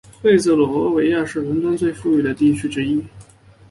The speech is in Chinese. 菲茨罗维亚是伦敦最富裕的地区之一。